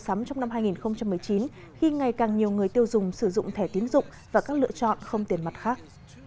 trong năm hai nghìn một mươi chín khi ngày càng nhiều người tiêu dùng sử dụng thẻ tiến dụng và các lựa chọn không tiền mặt khác